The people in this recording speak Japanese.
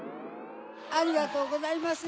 ありがとうございます。